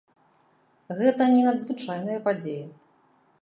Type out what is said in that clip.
Гэта не надзвычайная падзея.